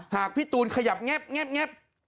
หากพี่ตูนขยับแงบ